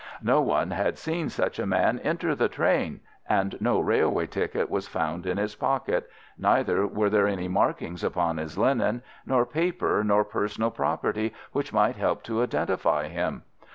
No one had seen such a man enter the train, and no railway ticket was found in his pocket, neither were there any markings upon his linen, nor papers nor personal property which might help to identify him.